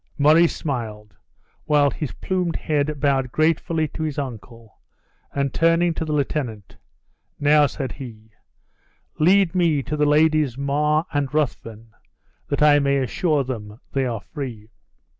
Murray smiled, while his plumed head bowed gratefully to his uncle, and turning to the lieutenant, "Now," said he, "lead me to the Ladies Mar and Ruthven that I may assure them they are free."